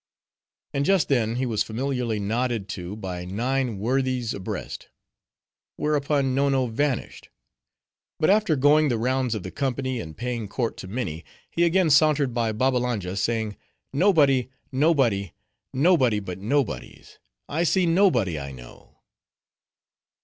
And just then he was familiarly nodded to by nine worthies abreast. Whereupon Nonno vanished. But after going the rounds of the company, and paying court to many, he again sauntered by Babbalanja, saying, "Nobody, nobody; nobody but nobodies; I see nobody I know."